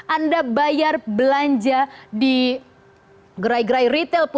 anda bayar belanja di gerai gerai retail pun hanya dengan satu kartu